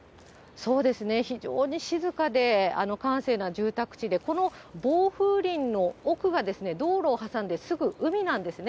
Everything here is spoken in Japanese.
そうですね、非常に静かで閑静な住宅地で、この防風林の奥が、道路を挟んですぐ海なんですね。